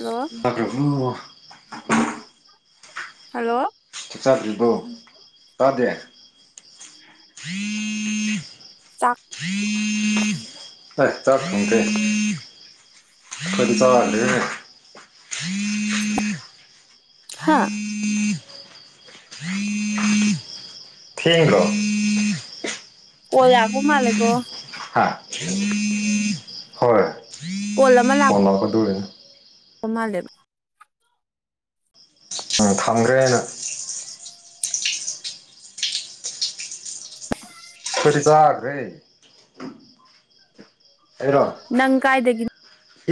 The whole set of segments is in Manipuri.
ꯍꯜꯂꯣ ꯆꯒꯔꯕꯣ ꯍꯜꯂꯣ ꯆꯥꯗ꯭ꯔꯤꯕꯣ ꯇꯥꯗꯦ [inaudible] ꯆꯥꯛ ꯍꯥꯏ ꯆꯥꯛ ꯊꯣꯡꯗꯦ ꯈꯣꯏꯗꯤ ꯆꯥꯔ ꯍꯦꯜꯂꯦꯅꯦ ꯍꯥꯥ ꯊꯦꯡꯗꯔꯣ ꯀꯣꯜ ꯂꯥꯛꯄ ꯃꯥꯜꯂꯦꯀꯣ ꯍꯥ ꯍꯣꯏ ꯀꯣꯜ ꯑꯃ ꯂ ꯂꯥꯛꯄ ꯑꯗꯨꯒꯤꯅꯦ ꯄ ꯃꯂꯦꯕ ꯎꯝ ꯊꯝꯒ꯭ꯔꯦꯅ [inaudible] ꯈꯣꯏꯗꯤ ꯆꯥꯒ꯭ꯔꯦ ꯑꯩꯔꯣ ꯅꯪ ꯀꯥꯏꯗꯒꯤ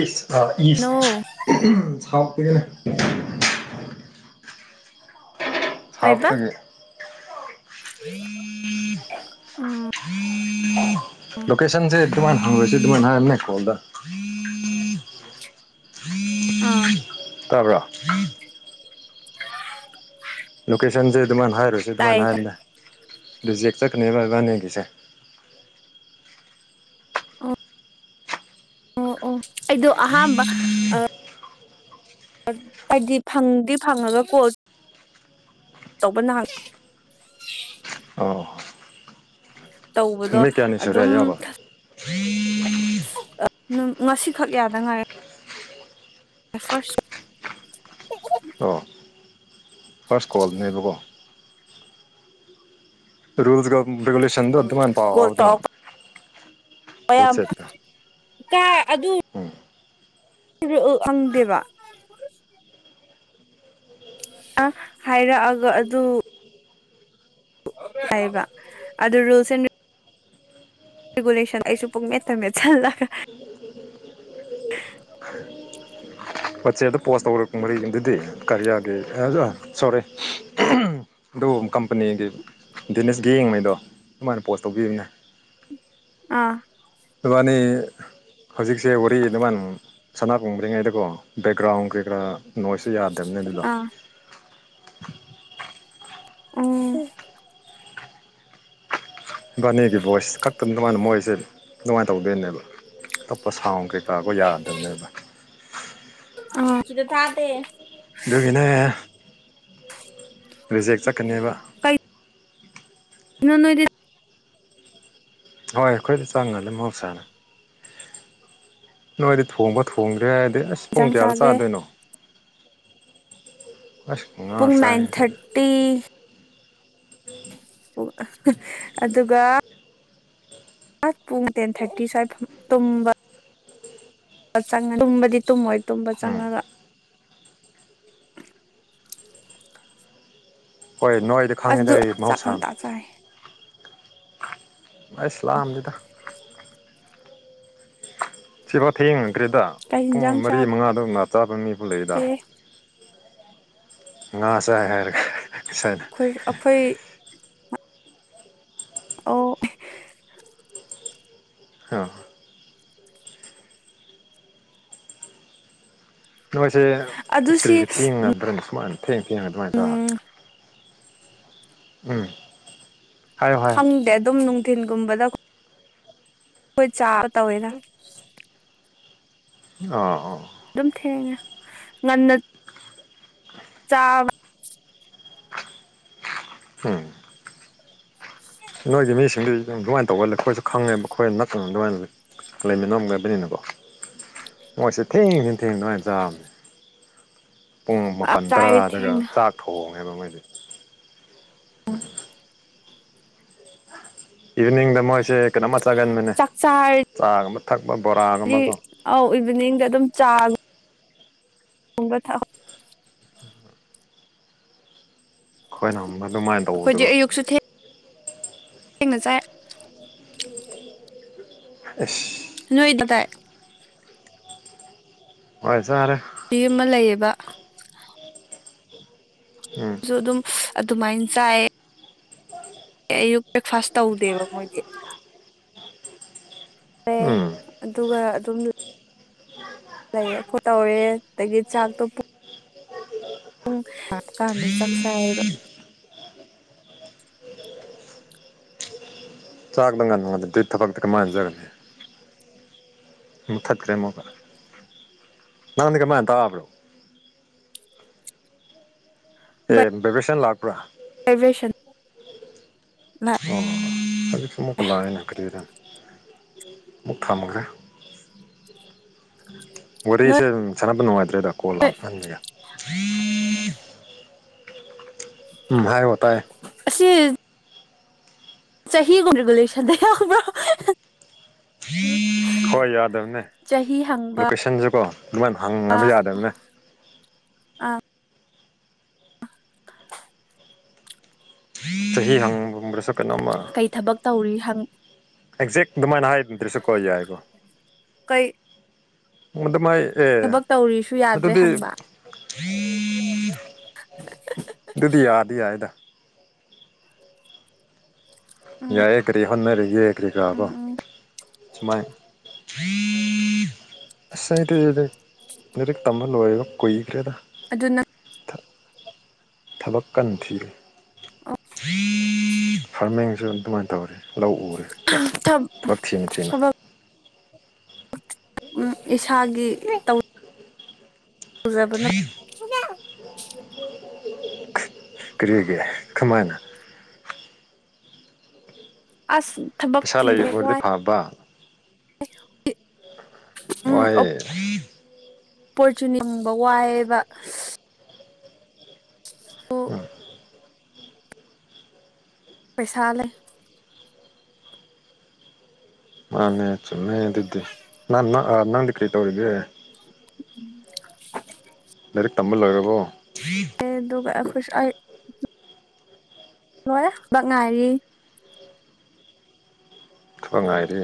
ꯏꯁ ꯑ ꯏꯁ ꯍꯥꯎꯇꯦ ꯀꯩꯕ [unintelligible] ꯂꯣꯀꯦꯁꯟꯁꯦ ꯑꯗꯨꯃꯥꯏ ꯍꯪꯉꯣꯏꯁꯦ ꯑꯗꯨꯃꯥꯏ ꯍꯥꯏꯕꯅꯦ ꯀꯣꯜꯗ ꯑꯥ ꯇꯥꯕ꯭ꯔ [unintelligible] ꯂꯣꯀꯦꯁꯟꯁꯦ ꯑꯗꯨꯃꯥꯏꯅ ꯍꯥꯏꯔꯣꯏꯁꯦ ꯑꯗꯨꯃꯥꯏ ꯇꯥꯏꯌꯦ ꯇꯥꯏ ꯍꯥꯏꯔꯗꯤꯅꯦ ꯔꯤꯖꯦꯛ ꯆꯠꯀꯅꯦꯕ ꯏꯕꯥꯅꯦꯒꯤꯁꯦ ꯑꯣ ꯑꯣ ꯑꯣ ꯑꯩꯗꯣ ꯑꯍꯥꯟꯕ ꯑ ꯍꯥꯏꯗꯤ ꯐꯪꯗꯤ ꯐꯪꯉꯒ ꯀꯣꯜ ꯇꯧꯕ ꯅ ꯑꯣ ꯇꯧꯕꯗꯣ ꯅꯨꯃꯤꯠ ꯀꯥꯌꯅꯤ ꯁꯨꯔꯦ ꯑꯗꯨꯝ ꯌꯧꯕ ꯉꯁꯤꯈꯛ ꯌꯥꯗꯉꯥꯏ ꯐꯥꯁ ꯑꯣ ꯐꯥꯔꯁ ꯀꯣꯜꯅꯦꯕꯀꯣ ꯔꯨꯜꯁꯒ ꯔꯦꯒꯨꯂꯁꯟꯗꯣ ꯑꯗꯨꯃꯥꯏ ꯄꯥꯎ ꯎꯗꯅ ꯃꯌꯥꯝ ꯀꯥꯏ ꯑꯗꯨ ꯎꯝ ꯐꯡꯗꯦꯕ ꯑ ꯍꯥꯏꯔꯛꯑꯒ ꯑꯗꯨ ꯍꯥꯏꯕ ꯑꯗꯨ ꯔꯨꯜꯁ ꯑꯦꯟ ꯔꯤꯒꯨꯂꯦꯁꯟ ꯑꯩꯁꯨ ꯄꯛ ꯃꯦꯟ ꯃꯇꯝꯟꯒꯠ ꯆꯜꯂꯒ ꯋꯥꯆꯦꯞꯇ ꯄꯣꯁ ꯇꯧꯔꯛꯄ ꯃꯔꯤꯒꯤ ꯑꯗꯨꯗꯤ ꯀꯔꯤꯌꯥꯒꯤ ꯁꯣꯔꯤ ꯑꯗꯨ ꯀꯝꯄꯅꯤꯒꯤ ꯗꯤꯅꯤꯁꯒꯤ ꯌꯦꯡꯉꯩꯗꯣ ꯑꯗꯨꯃꯥꯏꯅ ꯄꯣꯁ ꯇꯧꯕꯤꯕꯅꯦ꯫ ꯑꯥ ꯅꯣꯏꯕꯅꯤ ꯍꯧꯖꯤꯛꯁꯦ ꯋꯥꯔꯤ ꯑꯗꯨꯃꯥꯏꯥꯟ ꯁꯅꯥ ꯀꯨꯝꯕꯔꯤꯉꯩꯗꯀꯣ ꯕꯦꯛꯒ꯭ꯔꯥꯎꯟ ꯀꯩꯀꯔꯥ ꯅꯣꯏꯁꯇ ꯌꯥꯗꯕꯅꯤ ꯑꯗꯨꯗꯣ ꯑꯥ ꯎꯝ ꯕꯥꯅꯦꯒꯤ ꯚꯣꯏꯁ ꯈꯛꯇ ꯑꯗꯨꯃꯥꯏꯅ ꯃꯣꯏꯁꯦ ꯑꯗꯨꯃꯥꯏꯅ ꯇꯧꯗꯣꯏꯅꯦꯕ ꯑꯇꯣꯞꯄ ꯁꯥꯎꯟ ꯀꯩ ꯇꯥꯕ ꯌꯥꯗꯕꯅꯦꯕ ꯑꯥ ꯁꯤꯗ ꯇꯥꯗꯦ꯫ ꯑꯗꯨꯗꯒꯤꯅꯦ꯫ ꯗꯤ ꯆꯠꯀꯅꯦꯕ [unintelligible] ꯍꯣꯏ ꯑꯩꯈꯣꯏꯗꯤ ꯆꯪꯉꯈꯔ꯭ꯗꯤ ꯃꯍꯧꯁꯥꯅꯤ ꯫ ꯅꯣꯏꯗꯤ ꯊꯣꯡꯕ ꯊꯣꯡꯗ꯭ꯔꯦ ꯍꯥꯏꯔꯗꯤ ꯑꯁ ꯄꯨꯡ ꯌꯦꯟꯁꯥꯡ ꯀꯌꯥꯗ ꯆꯥꯒꯦ ꯆꯥꯗꯣꯏꯅꯣ? ꯑꯁ ꯉꯥ ꯄꯨꯡ ꯆꯥꯏ ꯅꯥꯏꯟ ꯊꯥꯔꯇꯤ꯫ ꯑꯣ ꯑꯗꯨꯒ ꯄꯨꯡ ꯇꯦꯟ ꯊꯥꯔꯇꯤ ꯁ꯭ꯋꯥꯏ ꯇꯨꯝꯕ ꯆꯅꯂꯥꯅꯤ ꯇꯨꯝꯕꯗꯤ ꯇꯨꯝꯃꯣꯏ ꯇꯨꯝꯕ ꯎꯝ ꯆꯪꯉꯒ ꯍꯣꯏ ꯅꯣꯏꯗꯤ ꯈꯪꯉꯤꯗ ꯑꯗꯨ ꯑꯩ ꯆꯥꯛ ꯉꯟꯇꯥ ꯃꯍꯧꯁꯥꯅ꯫ ꯆꯥꯏ ꯑꯁ ꯂꯥꯟꯗꯦꯗꯥ꯫ ꯁꯤꯐꯥꯎ ꯊꯌꯦꯡꯉꯈ꯭ꯔꯦꯗ ꯀꯩ ꯄꯨꯡ ꯌꯦꯟꯖꯥꯡ ꯃꯔꯤ ꯆꯥꯒꯦ ꯃꯉꯥꯗꯧꯅ ꯆꯥꯕ ꯃꯤꯕꯨ ꯂꯩꯗ ꯑꯩꯈꯣꯏ ꯉꯥ ꯆꯥꯏ ꯍꯥꯏꯔꯥꯒ ꯉꯁꯤꯅꯥ ꯑꯩꯈ ꯑꯩꯈꯣꯏ ꯑꯣ ꯍꯥ ꯅꯣꯏꯁꯦ ꯑꯗꯨꯁꯤ ꯀ꯭ꯔꯤꯁꯦ ꯊꯦꯡꯉ ꯕ꯭ꯔꯟ ꯁꯨꯃꯥꯏꯅ ꯊꯦꯡ ꯊꯦꯡꯉꯒ ꯑꯗꯨꯃꯥꯏꯅ ꯎꯝ ꯇꯧꯔꯒꯦ ꯎꯝ ꯍꯥꯏꯌꯣ ꯍꯥꯏꯌꯣ ꯍꯪꯗꯦ ꯑꯗꯨꯝ ꯅꯨꯡꯊꯤꯟꯒꯨꯝꯕꯗ ꯑꯈꯣꯏ ꯆꯥꯕ ꯇꯧꯋꯦꯗ ꯑ ꯑꯥ ꯑꯣ ꯑꯗꯨꯝ ꯊꯦꯡꯉꯦ ꯉꯟꯅ ꯆꯥꯕ ꯍꯝ ꯅꯣꯏꯒꯤ ꯃꯤꯁꯤꯡꯗꯨ ꯂꯣꯟ ꯇꯧꯕꯒ ꯑꯩꯈꯣꯏꯁꯨ ꯈꯪꯉꯦꯕ ꯑꯩꯈꯣꯏ ꯅꯛꯅ ꯑꯗꯨꯃꯥꯏꯅ ꯂꯩꯃꯤꯟꯅꯝꯒꯕꯅꯤꯅꯀꯣ꯫ ꯃꯣꯏꯁꯦ ꯊꯦꯡꯉꯁꯤ ꯊꯦꯡ ꯑꯗꯨꯃꯥꯏꯅ ꯆꯥꯕꯅꯦ꯫ [inaudible] ꯄꯨꯡ ꯃꯥꯄꯅ ꯆꯥꯏ ꯇꯔꯥꯗꯒ ꯊꯦꯡꯅ ꯆꯥꯛ ꯊꯣꯡꯉꯦꯕ ꯃꯣꯏꯗꯤ꯫ ꯑ ꯏꯚꯤꯅꯤꯡꯗ ꯃꯣꯏꯁꯦ ꯀꯩꯅꯣꯝꯃ ꯆꯥꯒꯟꯕꯅꯦ ꯆꯥꯛ ꯆꯥꯔꯗꯤ ꯆꯥꯒꯕ ꯊꯛꯄ ꯕꯣꯔꯥꯒꯨꯝꯕꯀꯣ꯫ ꯑꯧ ꯏꯚꯤꯅꯤꯡꯗ ꯑꯗꯨꯝ ꯆꯥ ꯍꯣꯡꯕ ꯊꯛ ꯑꯩꯈꯣꯏꯅ ꯑꯃꯅ ꯑꯗꯨꯃꯥꯏꯅ ꯑꯩꯈꯣꯏꯗꯤ ꯇꯧꯗꯕ ꯊꯦꯡꯅꯆꯥꯏ ꯏꯁ ꯅꯣꯏꯗ ꯇꯥꯏ ꯍꯣꯏ ꯆꯥꯔꯦ ꯅꯨꯄꯤ ꯑꯃ ꯂꯩꯌꯦꯕ ꯎꯝ ꯁꯨ ꯑꯗꯨꯝ ꯑꯗꯨꯃꯥꯏꯅ ꯆꯥꯏ ꯑꯌꯨꯛ ꯕ꯭ꯔꯦꯛꯐꯥꯁ ꯇꯧꯗꯦꯕ ꯃꯣꯏꯗꯤ ꯑꯦ ꯎꯝ ꯑꯗꯨꯒ ꯑꯗꯨꯝ ꯂꯩꯔꯦ ꯈꯣꯠ ꯇꯧꯔꯦ ꯑꯗꯒꯤ ꯆꯥꯛꯇꯣ [unintelligible] ꯄꯨꯡ ꯍꯥꯞꯀꯥꯟꯗ ꯆꯥꯛꯁꯥꯏꯌꯦꯕ [unintelligible] ꯆꯥꯛꯅꯥ ꯉꯥꯟꯅ ꯉꯗ [unintelligible] ꯑꯗꯨ ꯊꯕꯛꯇ ꯀꯔ ꯃꯥꯟꯅꯖꯒꯅꯤ ꯃꯊꯠꯈ꯭ꯔꯦ ꯑꯃꯨꯛꯀ ꯅꯪꯗꯤ ꯀꯃꯥꯏꯅ ꯇꯥꯕ꯭ꯔꯣ ꯑꯦ ꯕꯦꯕ꯭ꯔ‌ꯦꯁꯟ ꯂꯥꯛꯄ꯭ꯔꯥ ꯕꯥꯏꯕꯔꯦꯁꯟ ꯑꯣ ꯍꯧꯖꯤꯛ ꯑꯃꯨꯛꯀ ꯂꯛꯑ‌ꯦꯅ‌ꯦ ꯀꯔꯤꯔꯥ ꯑꯃꯨꯛ ꯊꯝꯒꯔ‌ꯦ ꯅꯣꯏ ꯋꯥꯔꯤꯁꯦ ꯁꯥꯟꯅꯕ ꯅꯨꯡꯉꯥꯏꯇ꯭ꯔꯦꯗ ꯀꯣꯜ ꯂꯥꯛꯍꯟꯕꯒꯤ ꯎꯝ ꯍꯥꯏꯌ‌ꫭ ꯇꯥꯥꯏ ꯑꯁꯤ ꯆꯍꯤꯒꯨꯝ ꯔꯤꯒꯨꯂꯦꯁꯟꯗ ꯌꯥꯕ꯭ꯔꯣ ꯍꯣꯏ ꯌꯥꯗꯕꯅꯦ ꯆꯍꯤ ꯍꯪꯕ ꯂꯣꯀꯦꯁꯟꯁꯨ ꯀꯣ ꯑꯗꯨꯃꯥꯏꯅ ꯍꯪꯅꯕ ꯌꯥꯗꯕꯅꯦ ꯆꯍꯤ ꯍꯪꯕꯗꯁꯨ ꯀꯩꯅꯣꯝꯃ ꯀꯩ ꯊꯕꯛ ꯇꯧꯔꯤ ꯍꯪ ꯑꯦꯛꯖꯦꯛ ꯑꯗꯨꯃꯥꯏꯅ ꯍꯥꯏꯗ꯭ꯔꯁꯨ ꯀꯣꯜ ꯌꯥꯏꯀꯣ ꯀꯩ ꯃꯗꯨ ꯃꯥꯏ ꯑꯦ ꯊꯕꯛ ꯇꯧꯔꯤꯁꯨ ꯌꯥꯗ꯭ꯔꯦ ꯑꯗꯨꯗꯤ ꯍꯪꯕ ꯑꯗꯨꯗꯨꯗꯤ ꯌꯥꯗꯤ ꯌꯥꯏꯗ ꯎꯝ ꯌꯥꯏꯌ‌ꯦ ꯀꯔꯤ ꯍꯣꯠꯅꯔꯤ ꯀꯔꯤꯒꯥꯕꯣ ꯎꯝ [unintelligible] ꯎꯝ ꯁꯨꯃꯥꯏ ꯁꯦꯔ ꯃ ꯀꯃ ꯂ ꯀ [unintelligible] ꯀꯔꯦꯗ ꯑꯗꯨꯅ ꯊꯕꯛ ꯀꯟꯅ ꯊꯤꯔꯤ ꯐꯥꯔꯃꯤꯡꯁꯨ ꯑꯗꯨꯃꯥꯏꯅ ꯇꯧꯔꯦ ꯂꯥꯎ ꯎꯔꯦ ꯈꯔ ꯊꯥꯕꯛ ꯊꯤꯅ ꯊꯤꯅ ꯊꯕꯛ ꯎꯝ ꯏꯁꯥꯒꯤ ꯇꯧ ꯍ [unintelligible] ꯄꯨꯖꯥꯕꯅ ꯎ [unintelligible] ꯀꯔꯤꯒꯤ ꯀꯃꯥꯏꯅ ꯑꯁ ꯊꯕꯛ ꯄꯩꯁꯥ ꯊꯤꯕ ꯂꯩꯕ ꯑꯣꯏꯔꯗꯤ ꯋꯥꯏ ꯐꯕ ꯋꯥꯏꯌ‌ꯦ ꯄꯣꯔꯆꯨꯅꯤꯡꯕ [unintelligible] ꯐꯪꯕ ꯋꯥꯏꯑꯦꯕ ꯇ [unintelligible] ꯄꯩꯁꯥ ꯂꯩ ꯃꯥꯅꯦ ꯆꯨꯝꯃ‌ꯦ ꯑꯗꯨꯗꯤ ꯅ ꯅ ꯑꯥ ꯅꯪꯗꯤ ꯀ꯭ꯔꯤ ꯇꯧꯔꯤꯒ‌ꯦ ꯎꯝ [unintelligible] ꯂꯥꯏꯔꯤꯛ ꯇꯝꯕ ꯂꯣꯏꯔꯕꯣ ꯑꯦ ꯑꯗꯨꯒ ꯈꯁ [unintelligible] ꯍꯣꯏꯔ‌ꯦ ꯊꯕꯛ ꯉꯥꯏꯔꯤ ꯊꯕꯛ ꯉꯥꯏꯔꯤ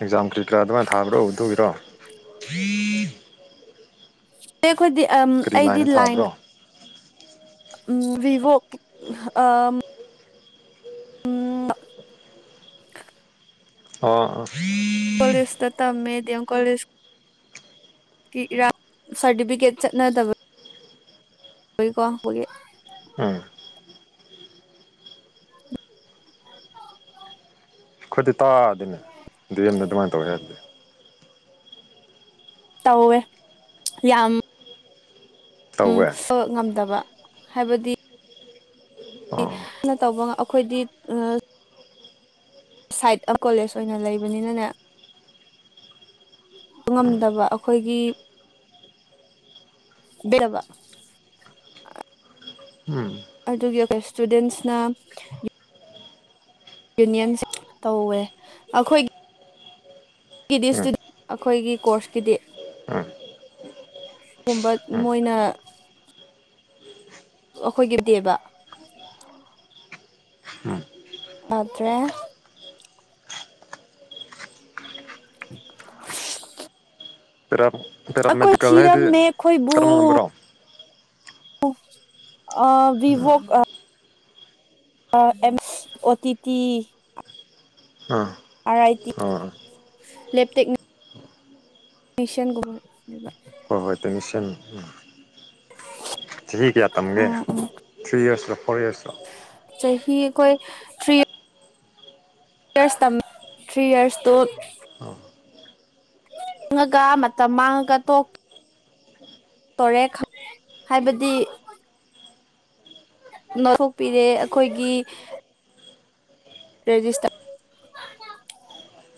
ꯑꯦꯛꯖꯥꯝ ꯀꯔꯤ ꯀꯔꯥ ꯑꯗꯨꯃꯥꯏꯅ ꯊꯥꯕ꯭ꯔꯣ ꯎꯨꯕꯤꯔꯣ [unintelligible] ꯑ ꯑꯩꯈꯣꯏꯗꯤ ꯀꯔꯤ ꯑꯩꯗꯤ ꯂꯥꯏꯟꯗ ꯂꯥꯏꯟ ꯊꯥꯕ꯭ꯔꯣ ꯕꯤꯚꯣ ꯑꯝ ꯑꯥ ꯑ ꯀꯣꯂꯦꯁꯇ ꯇꯝꯃꯦ ꯗꯤ ꯑꯦꯝ ꯀꯣꯂꯦꯖ ꯏꯔꯥꯡ ꯁꯥꯔꯇꯤꯐꯤꯀꯦꯠ ꯆꯠꯅꯗꯕ [unintelligible] ꯎꯝ [inaudible] ꯑꯩꯈꯣꯏꯗꯤ ꯇꯥꯗꯤꯅꯦ ꯗꯤ ꯑꯝ ꯗ ꯑꯗꯨꯃꯥꯏꯅ ꯇꯧꯋꯦ ꯍꯥꯏꯔꯗꯤ ꯇꯧꯋꯦ ꯌꯥꯝ ꯎꯝ ꯇꯧꯋꯦ ꯉꯝꯗꯕ ꯍꯥꯏꯕꯗꯤ ꯃꯤ ꯑꯣ ꯅ ꯇꯧꯕ ꯑꯤꯈꯣꯢꯗꯤ ꯑ ꯁꯥꯏꯠ ꯑ ꯀꯣꯂꯦꯖ ꯑꯣꯏꯅ ꯂꯩꯕꯅꯤꯅꯅꯦ ꯉꯝꯗꯕ ꯑꯩꯈꯣꯏꯒꯤ ꯕꯦꯔꯕꯥ ꯎꯝ ꯑꯗꯨꯒꯤ ꯏꯁꯇꯨꯗꯦꯟꯁꯅ ꯌꯨꯅꯤꯌꯟ ꯇꯧꯋꯦ ꯑꯩꯈꯣꯏ ꯀꯗꯤ ꯎꯝ ꯏꯇꯨꯗꯦꯟ ꯑꯩꯈꯣꯏꯒꯤ ꯀꯣꯔꯁꯀꯤꯗꯤ ꯒꯨꯝꯕ ꯃꯣꯏꯅ ꯑꯩꯈꯣꯏꯒꯤ ꯗꯦꯕ ꯄꯗ꯭ꯔꯦ [unintelligible] ꯄꯦꯔꯥ ꯑꯩꯈꯣꯏ ꯄꯦꯔꯥꯃꯦꯗꯤꯀꯦꯜ ꯍꯥꯏꯗꯤ ꯊꯤꯔꯝꯃꯦ ꯑꯩꯈꯣꯏꯕꯨ ꯀꯔꯝꯕꯂꯝꯕꯔꯣ ꯎ ꯑ ꯚꯤꯚꯣꯛ ꯑ ꯑ ꯑꯦꯝꯁ ꯑꯣ ꯇꯤ ꯇꯤ ꯑꯥ ꯑꯥꯔ ꯑꯥꯏ ꯇꯤ ꯑꯥ ꯂꯦꯞꯇꯦꯛꯅꯤ ꯃꯤꯁꯟꯒꯨꯝꯕ ꯍꯣꯏ ꯍꯣꯏ ꯇꯦꯡꯁꯟ ꯆꯍꯤ ꯀꯌꯥ ꯇꯝꯒꯦ ꯎꯝ ꯎꯝ ꯊ꯭ꯔꯤ ꯏꯔꯁ ꯐꯣꯔ ꯏꯔꯁ ꯆꯍꯤ ꯑꯩꯈꯣꯏ ꯊ꯭ꯔꯤ ꯊ ꯌꯔ ꯇꯝ ꯊ꯭ꯔꯤ ꯌꯔꯁ ꯇꯨ ꯆꯥꯡꯉꯒ ꯃꯇꯝ ꯃꯥꯡꯉꯒ ꯇꯣꯛ ꯇꯣꯔꯦ ꯍꯥꯏꯕꯗꯤ ꯅꯣꯊꯣꯛꯄꯤꯔꯦ ꯑꯩꯈꯣꯏꯒꯤ ꯔꯦꯖꯤꯁꯇꯥ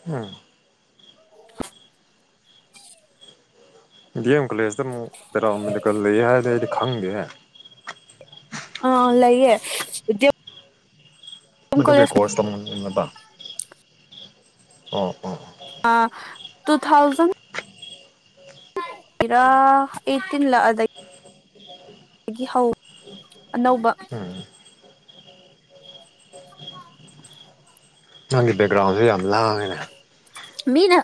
ꯎꯝ [inaudible] ꯗꯤ ꯑꯦꯝ ꯀꯣꯂꯦꯖꯇ ꯑꯃꯨꯛ ꯄꯦꯔꯥꯃꯦꯗꯤꯀꯦꯜ ꯂꯩ ꯍꯥꯏꯗ ꯑꯩꯗꯤ ꯈꯪꯗꯦ ꯍꯥꯏ ꯑ ꯂꯩꯌꯦ ꯗ ꯃꯗꯨꯒꯤ ꯀꯣꯔꯁ ꯇꯧꯅꯤꯡꯅꯤꯡꯅꯕ ꯑꯣ ꯑꯣ ꯑꯣ ꯑ ꯇꯨ ꯊꯥꯎꯖꯟ ꯔ ꯑꯩꯠꯇꯤꯟꯂ ꯑꯗꯒꯤ ꯑꯗꯒꯤ ꯍꯧ ꯑꯅꯧꯕ ꯎꯝ [inaudible] ꯅꯪꯒꯤ ꯕꯦꯛꯒ꯭ꯔꯥꯎꯟꯁꯦ ꯌꯥꯝ ꯂꯥꯡꯉꯦꯅꯦ ꯃꯤ ꯅ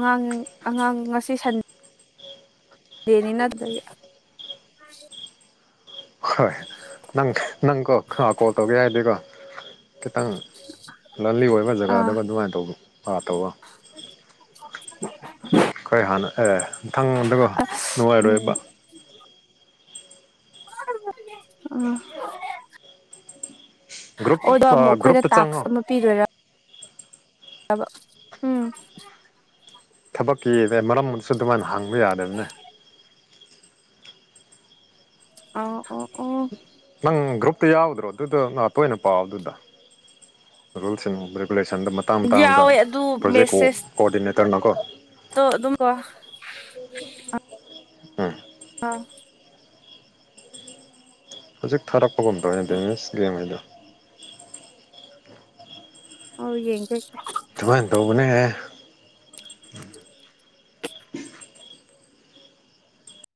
ꯑꯉꯥꯡ ꯑꯉꯥꯡ ꯉꯁꯤ ꯁꯟ ꯗꯦꯅꯤ ꯇꯧ ꯍꯣꯏ ꯅꯪ ꯅꯪꯀꯣ ꯀꯣꯜ ꯇꯧꯒꯦ ꯍꯥꯏꯗꯤꯀꯣ ꯈꯤꯇꯪ ꯂꯟꯂꯤ ꯑꯣꯏꯕ ꯑꯥ ꯖꯒꯥꯗꯨꯒ ꯑꯗꯨꯃꯥꯏꯅ ꯇꯧꯕ ꯑ ꯇꯧꯋꯣ [inaudible] ꯈꯔ ꯍꯥꯟꯅ ꯑꯦ ꯃꯊꯪ ꯑꯗꯨꯒ ꯅꯨꯡꯉꯥꯏꯔꯣꯏꯕ ꯎꯝ ꯎꯝ ꯒ꯭ꯔꯨꯞ ꯑꯣꯗꯣ ꯑꯃꯨꯛ ꯑꯩꯈꯣꯏꯗ ꯒ꯭ꯔꯨꯞꯇ ꯇꯥꯛꯁ ꯆꯪꯉꯣ ꯑꯃ ꯄꯤꯗꯣꯏꯔꯥ ꯎꯝ ꯊꯕꯛꯀꯤꯗ ꯃꯔꯝ ꯁꯨ ꯑꯗꯨꯃꯥꯏꯅ ꯍꯪꯕ ꯌꯥꯗꯝꯅꯦ ꯑꯥꯎ ꯑꯣ ꯑꯣ ꯅꯪ ꯒ꯭ꯔꯨꯞꯇ ꯌꯥꯎꯒꯗ꯭ꯔꯣ ꯑꯗꯨꯗ ꯅ ꯇꯣꯏꯅ ꯄꯥꯎꯗꯨꯗ ꯔꯨꯜꯁ ꯑꯦ ꯔꯤꯒꯨꯂꯦꯁꯟꯗ ꯃꯇꯥꯡ ꯃꯇꯥꯡꯗ ꯌꯥꯎꯋꯦ ꯑꯗꯨ ꯄ꯭ꯔꯣꯖꯦꯛ ꯀꯣꯑꯣꯗꯤꯅꯦꯇꯔꯅꯀꯣ ꯇꯣ ꯑꯗꯨꯝꯕ ꯎꯝ ꯑꯥ ꯍꯧꯖꯤꯛ ꯊꯥꯔꯛꯄꯒꯨꯝꯗꯧꯅꯦ ꯇꯦꯅꯤꯁ ꯒꯦꯝ ꯍꯥꯏꯗꯣ ꯑꯣ ꯌꯦꯡꯒꯦ ꯗꯨꯃꯥꯏꯟ ꯇꯧꯕꯅꯦ